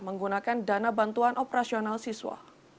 menggunakan dana bantuan operasional siswa